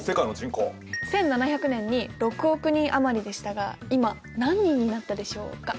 １７００年に６億人余りでしたが今何人になったでしょうか？